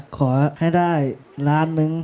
ขอให้ได้๑ล้าน